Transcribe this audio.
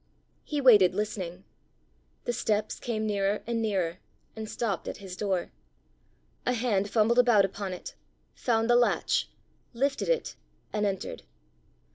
He waited listening. The steps came nearer and nearer, and stopped at his door. A hand fumbled about upon it, found the latch, lifted it, and entered.